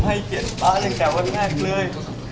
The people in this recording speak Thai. ให้เกียรติป๊าตั้งแต่วันแรกเลย